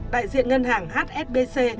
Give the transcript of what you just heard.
đại diện ngân hàng hsbc